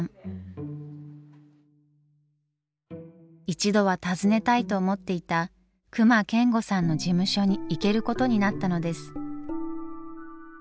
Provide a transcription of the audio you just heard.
一度は訪ねたいと思っていた隈研吾さんの事務所に行けることになったのです。